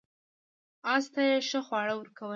اس ته یې ښه خواړه ورکول.